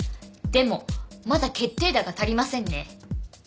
でもまだ決定打が足りませんね。